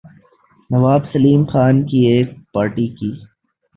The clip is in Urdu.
نواب سیلم خان کی ایک پارٹی کی